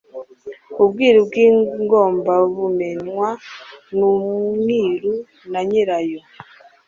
ubwiru bw'ingomabumenywa n'umwiru na nyirayo